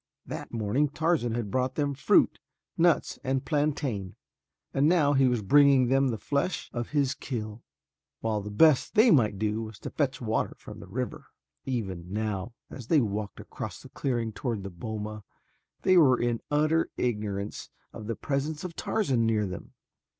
That morning Tarzan had brought them fruit, nuts, and plantain, and now he was bringing them the flesh of his kill, while the best that they might do was to fetch water from the river. Even now, as they walked across the clearing toward the boma, they were in utter ignorance of the presence of Tarzan near them.